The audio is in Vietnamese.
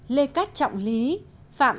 lê cát trọng lý phạm